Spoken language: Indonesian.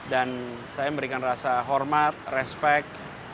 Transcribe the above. dan saya memberikan rasa hormat respect